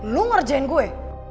lo ngerjain gue